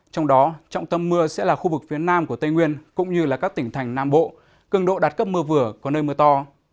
trong đó trọng tâm mưa sẽ là khu vực phía nam của tây nguyên cũng như các tỉnh thành nam bộ cường độ đạt cấp mưa vừa có nơi mưa to